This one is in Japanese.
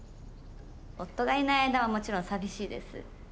夫がいない間はもちろん寂しいです。